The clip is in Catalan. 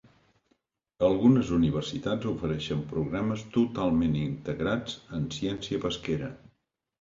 Algunes universitats ofereixen programes totalment integrats en ciència pesquera.